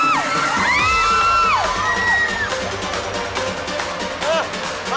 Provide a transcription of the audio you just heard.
แล้วเหมือนกันเก่งอะ